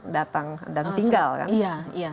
datang dan tinggal kan